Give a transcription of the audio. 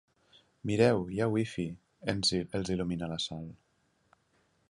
Mireu, hi ha wifi! —els il·lumina la Sol.